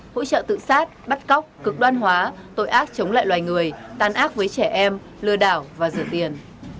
hỗ trợ tự sát bắt cóc cực đoan hóa tội ác chống lại loài người tàn ác với trẻ em lừa đảo và rửa tiền